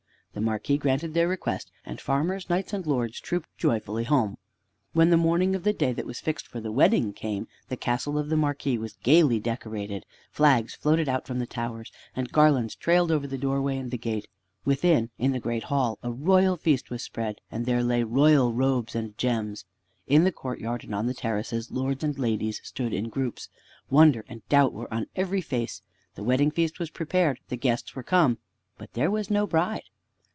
The Marquis granted their request, and farmers, knights, and lords trooped joyfully home. When the morning of the day that was fixed for the wedding came, the castle of the Marquis was gaily decorated. Flags floated out from the towers, and garlands trailed over the doorway and the gate. Within in the great hall a royal feast was spread, and there lay royal robes and gems. In the courtyard and on the terraces lords and ladies stood in groups. Wonder and doubt were on every face. The wedding feast was prepared, the guests were come, but there was no bride.